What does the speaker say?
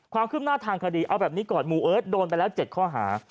ความคืบหน้าทางคดีเอาแบบนี้ก่อนหมู่เอิร์ทโดนไปแล้ว๗ข้อหา